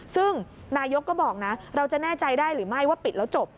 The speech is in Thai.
ซึ่งนายกก็บอกนะเราจะแน่ใจได้หรือไม่ว่าปิดแล้วจบ